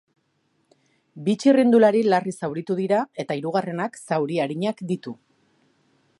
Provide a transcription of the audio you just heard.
Bi txirrindulari larri zauritu dira eta hirugarrenak zauri arinak ditu.